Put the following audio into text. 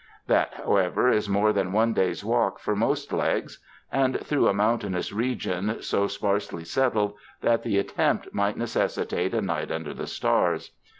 That, however, is more than one day's walk for most legs and through a mountainous region so 142 THE FRANCISCAN MISSIONS sparsely settled that the attempt might necessitate a night under the stars.